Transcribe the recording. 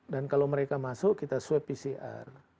dan kalau mereka masuk kita swipe pcr